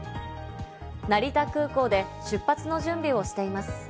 成田空港で出発の準備をしています。